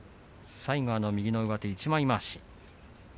最後は右の上手投げ一枚まわし。